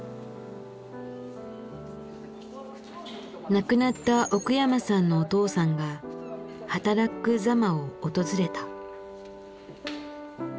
亡くなった奥山さんのお父さんがはたらっく・ざまを訪れた。